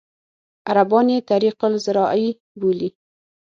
عربان یې طریق الزراعي بولي.